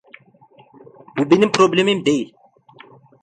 Bu benim problemim değil.